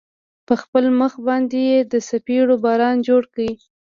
په خپل مخ باندې يې د څپېړو باران جوړ كړ.